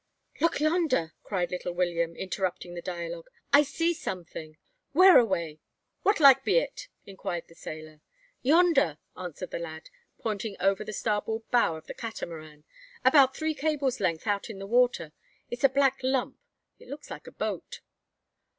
"Look yonder!" cried little William, interrupting the dialogue. "I see something." "Whereaway? What like be it?" inquired the sailor. "Yonder!" answered the lad, pointing over the starboard bow of the Catamaran; "about three cables' length out in the water. It's a black lump; it looks like a boat."